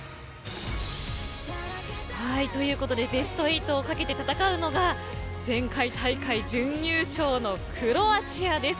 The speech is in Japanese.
ということでベスト８をかけて戦うのが前回大会準優勝のクロアチアです。